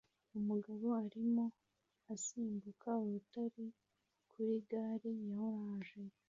Umugabo arimo asimbuka urutare kuri gare ya orange